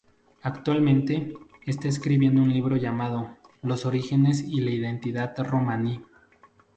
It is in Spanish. Actualmente, está escribiendo un libro llamado "Los orígenes y la identidad romaní".